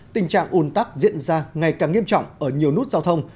tình trạng ủn tắc diễn ra ngày càng nghiêm trọng ở nhiều nút giao thông